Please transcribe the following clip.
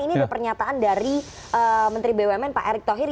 ini ada pernyataan dari menteri bumn pak erick thohir